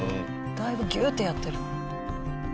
だいぶギューッとやってる。